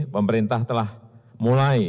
pemerintah telah mulai